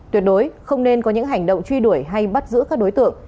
tuyệt đối không nên có những hành động truy đuổi hay bắt giữ các đối tượng